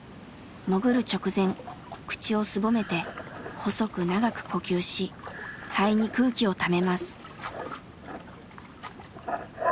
潜る直前口をすぼめて細く長く呼吸し肺に空気をためます。